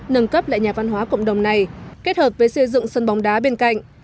nâng cấp lại nhà văn hóa cộng đồng này kết hợp với xây dựng sân bóng đá bên cạnh